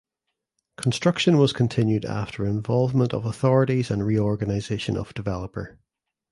Construction was continued after involvement of authorities and reorganization of developer.